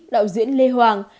đạo diễn lê hoàng